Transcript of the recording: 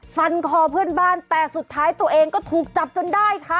ฟันคอเพื่อนบ้านแต่สุดท้ายตัวเองก็ถูกจับจนได้ค่ะ